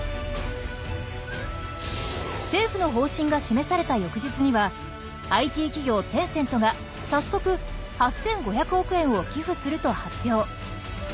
政府の方針が示された翌日にはＩＴ企業テンセントが早速８５００億円を寄付すると発表。